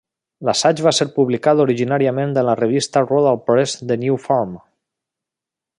L'assaig va ser publicat originàriament a la revista de Rodale Press "The New Farm".